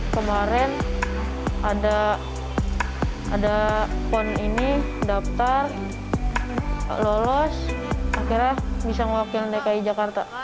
kemarin ada pon ini daftar lolos akhirnya bisa mewakili dki jakarta